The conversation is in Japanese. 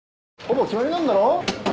ほぼ決まりなんだろ？